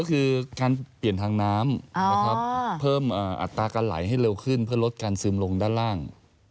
ก็คือการเปลี่ยนทางน้ำนะครับเพิ่มอัตราการไหลให้เร็วขึ้นเพื่อลดการซึมลงด้านล่าง